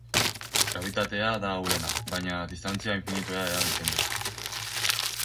Grabitatea da ahulena, baina distantzia infinitura eragiten du.